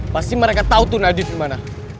pasti mereka tau tuh nadif dimana